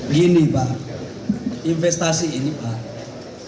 gini pak investasi ini pak